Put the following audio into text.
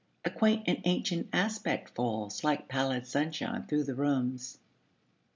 A quaint and ancient aspect falls Like pallid sunshine through the rooms.